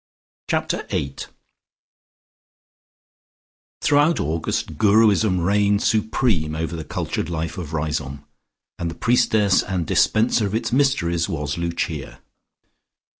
Chapter EIGHT Throughout August, Guruism reigned supreme over the cultured life of Riseholme, and the priestess and dispenser of its mysteries was Lucia.